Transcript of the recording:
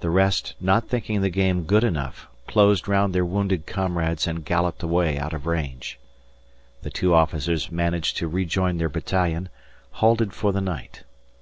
The rest, not thinking the game good enough, closed round their wounded comrades and galloped away out of range. The two officers managed to rejoin their battalion, halted for the night.